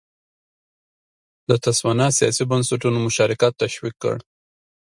د تسوانا سیاسي بنسټونو مشارکت تشویق کړ.